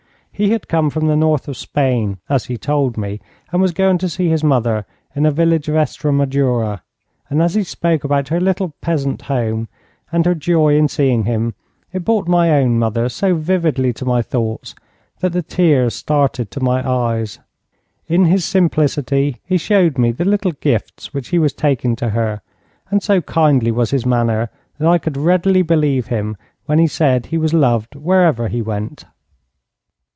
He had come from the north of Spain, as he told me, and was going to see his mother in a village of Estremadura, and as he spoke about her little peasant home, and her joy in seeing him, it brought my own mother so vividly to my thoughts that the tears started to my eyes. In his simplicity he showed me the little gifts which he was taking to her, and so kindly was his manner that I could readily believe him when he said he was loved wherever he went.